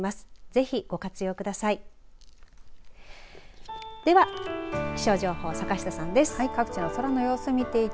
ぜひ、ご活用ください。